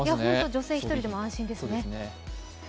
女性１人でも安心ですね。